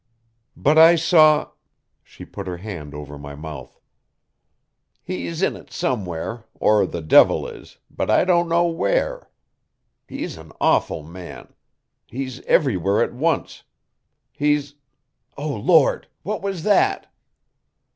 "But I saw " She put her hand over my mouth. "He's in it somewhere, or the devil is, but I don't know where. He's an awful man. He's everywhere at once. He's oh Lord! What was that?"